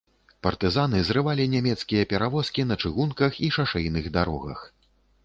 Партызаны зрывалі нямецкія перавозкі на чыгунках і шашэйных дарогах.